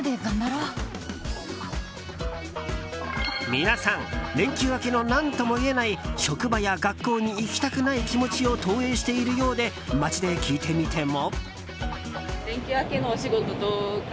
皆さん連休明けの何とも言えない職場や学校に行きたくない気持ちを投影しているようで街で聞いてみても。